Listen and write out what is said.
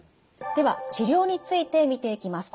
では治療について見ていきます。